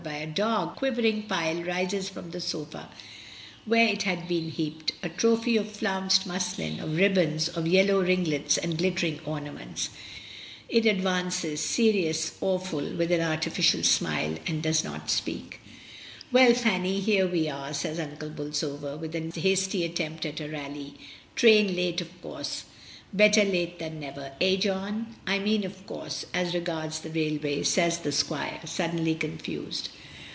« 2 1 Q by the dog, a quivering pile rises from the sofa where it had been heaped, a trophy of flounced muslin, of ribbons, of yellow ringlets and glittering ornaments. It advances, serious, awful, with an artificial smile, and does not speak. "Well, Fanny, here we are," says Uncle Bolsover, with a hasty attempt at a rally. "Train late, of course. Better late than never — eh, John? I mean, of course, as regards the railway," says the squire, suddenly confused.